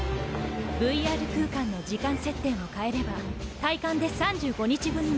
ＶＲ空間の時間設定を変えれば体感で３５日分になります。